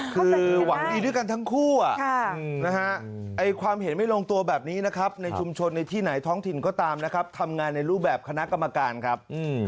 คือหวังดีด้วยกันทั้งคู่อะความเห็นไม่ลงตัวแบบนี้นะครับ